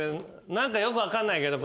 何かよく分かんないけど。